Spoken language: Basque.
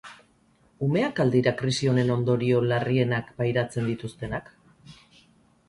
Umeak al dira krisi honen ondorio larrienak pairatzen dituztenak?